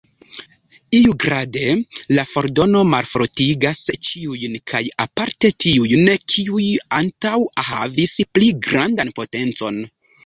Iugrade, la fordono malfortigas ĉiujn kaj aparte tiujn, kiuj antaŭe havis pli grandan potencon.